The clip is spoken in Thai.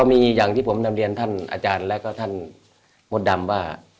มีอย่างที่ผมนำเรียนท่านอาจารย์และก็ท่านมดดำว่า